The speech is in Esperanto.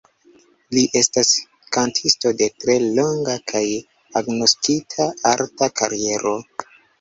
Li estas kantisto de tre longa kaj agnoskita arta kariero.